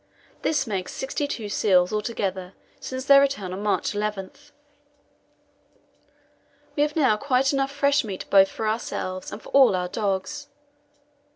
This makes sixty two seals altogether since their return on March 11. We have now quite enough fresh meat both for ourselves and for all our dogs.